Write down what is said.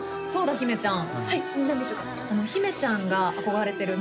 姫ちゃん